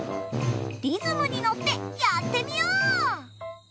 リズムにのってやってみよう！